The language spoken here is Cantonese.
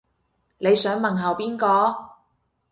你想問候邊個